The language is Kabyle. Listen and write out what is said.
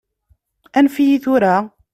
Anef-iyi tura!